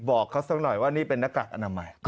บอกเขาซักหน่อยว่าอันนี้เป็นน้ากากอนามใหม่